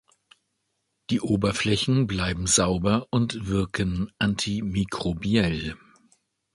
Die Oberflächen bleiben sauber und wirken antimikrobiell.